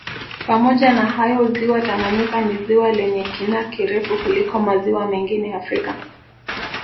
Pamoja na hayo ziwa Tanganyika ni ziwa lenye kina kirefu kuliko maziwa mengine Afrika